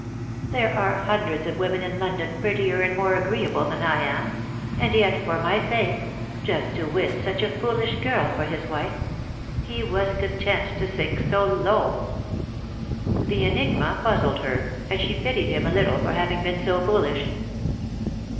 " There are hundreds of women in London prettier and more agreeable than I am ; and yet for my sake — just to win such a foolish girl for his wife — he was content to sink so low !" The enigma puzzled her, and she pitied him a little for having been so foolish.